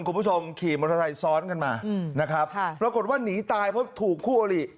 คุณผู้ชมขี่มอเตอร์ไซค์ซ้อนกันมานะครับค่ะปรากฏว่าหนีตายเพราะถูกคู่อลิ